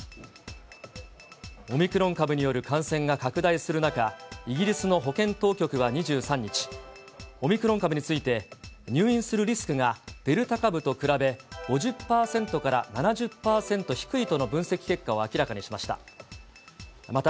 オミクロン株による感染が拡大する中、イギリスの保健当局は２３日、オミクロン株について、入院するリスクがデルタ株と比べ、５０％から７０％低いとの分析結果を明らかにしました。